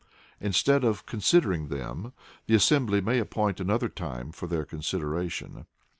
Instead of considering them, the assembly may appoint another time for their consideration.